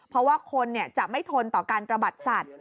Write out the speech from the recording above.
เพราะว่าคนจะไม่ทนต่อการตระบัดสัตว์